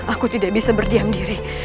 aku tidak bisa berdiam diri